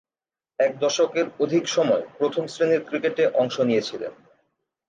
এক দশকের অধিক সময়ে প্রথম-শ্রেণীর ক্রিকেটে অংশ নিয়েছিলেন।